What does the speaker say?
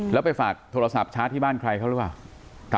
แล้วไปฝากโทรศัพท์ชาร์จที่บ้านใครเขาหรือเปล่า